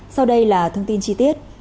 sau đây là thông tin chi tiết